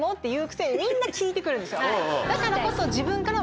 だからこそ。